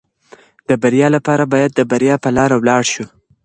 د بریا لپاره باید د بریا په لاره ولاړ شو.